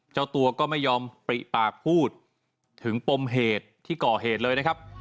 เจ้าตัวก็ไม่ยอมปริปากพูดถึงปมเหตุที่ก่อเหตุเลยนะครับ